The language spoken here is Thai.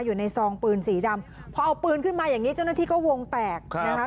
ซองปืนสีดำพอเอาปืนขึ้นมาอย่างนี้เจ้าหน้าที่ก็วงแตกนะคะ